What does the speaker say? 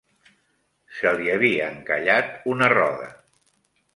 Se li havia encallat una roda.